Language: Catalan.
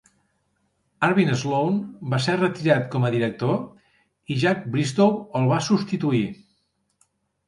Arvin Sloane va ser retirat com a director i Jack Bristow el va substituir.